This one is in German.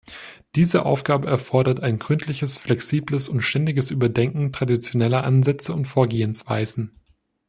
Diese Aufgabe erfordert ein gründliches, flexibles und ständiges Überdenken traditioneller Ansätze und Vorgehensweisen.